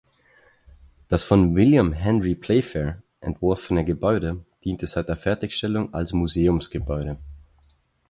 Das von William Henry Playfair entworfene Gebäude diente seit der Fertigstellung als Museumsgebäude.